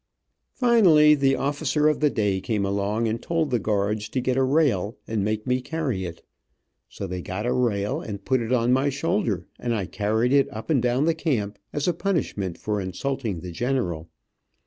Finally the officer of the day came along and told the guards to get a rail and make me carry it. So they got a rail and put it on my shoulder, and I carried it up and down the camp, as a punishment for insulting the general.